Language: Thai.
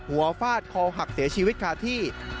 ฟาดคอหักเสียชีวิตคาที่